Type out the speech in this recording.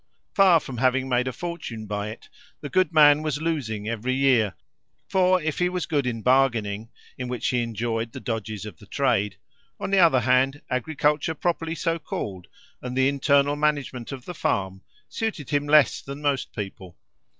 Far from having made a fortune by it, the good man was losing every year; for if he was good in bargaining, in which he enjoyed the dodges of the trade, on the other hand, agriculture properly so called, and the internal management of the farm, suited him less than most people.